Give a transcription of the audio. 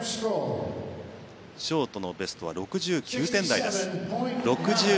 ショートのベストは６９点台です。